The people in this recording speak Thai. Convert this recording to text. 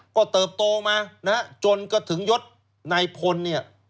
ก็เติบโตมานะจนก็ถึงยศในผลเนี่ย